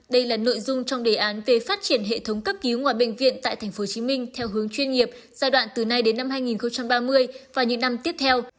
đây là nội dung trong đề án về phát triển hệ thống cấp cứu ngoài bệnh viện tại tp hcm theo hướng chuyên nghiệp giai đoạn từ nay đến năm hai nghìn ba mươi và những năm tiếp theo